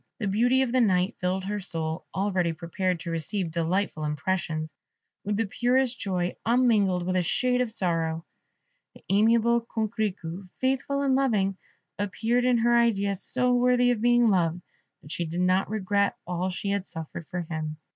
The beauty of the night filled her soul, already prepared to receive delightful impressions, with the purest joy, unmingled with a shade of sorrow. The amiable Coquerico, faithful and loving, appeared in her idea so worthy of being loved, that she did not regret all she had suffered for him.